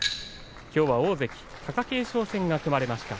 きょうは大関貴景勝戦が組まれました。